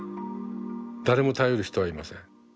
誰も頼る人はいません。